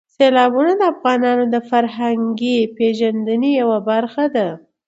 سیلابونه د افغانانو د فرهنګي پیژندنې یوه برخه ده.